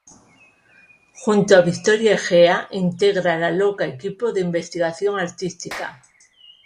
Junto a Victoria Egea integra La Loca Equipo de Investigación Artística.